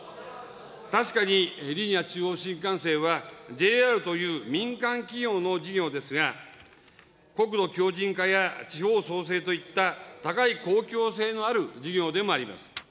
確かにリニア中央新幹線は、ＪＲという民間企業の事業ですが、国土強じん化や地方創生といった、高い公共性のある事業でもあります。